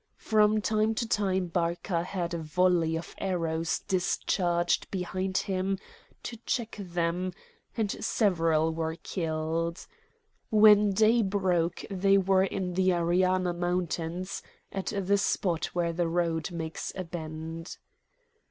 From time to time Barca had a volley of arrows discharged behind him to check them, and several were killed. When day broke they were in the Ariana Mountains, at the spot where the road makes a bend.